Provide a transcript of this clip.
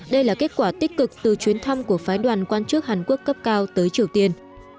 đây là kết quả tích cực từ chuyến thăm của phái đoàn quan chức hàn quốc cấp cao tới triều tiên